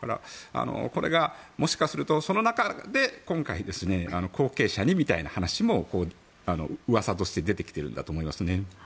これがもしかするとその中で今回後継者にみたいな話もうわさとして出てきているんだと思います。